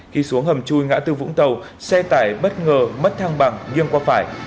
khi xuống hầm chui ngã tư vũng tàu xe tải bất ngờ mất thang bằng nghiêng qua phải